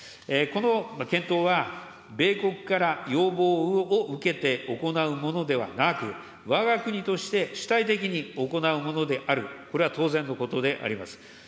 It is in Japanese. この検討は、米国から要望を受けて行うものではなく、わが国として主体的に行うものである、これは当然のことであります。